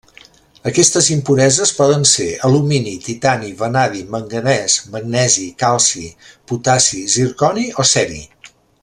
Aquestes impureses poden ser: alumini, titani, vanadi, manganès, magnesi, calci, potassi, zirconi o ceri.